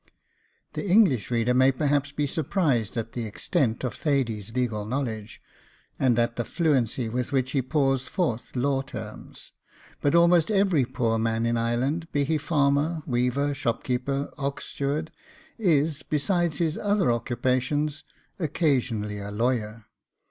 The English reader may perhaps be surprised at the extent of Thady's legal knowledge, and at the fluency with which he pours forth law terms; but almost every poor man in Ireland, be he farmer, weaver, shopkeeper, ox steward, is, besides his other occupations, occasionally a lawyer.